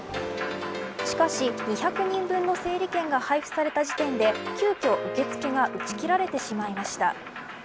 しかし２００人分の整理券が配布された事件で急きょ受付が締め切られてしまいました。